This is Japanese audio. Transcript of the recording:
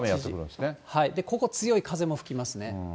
ここ、強い風も吹きますね。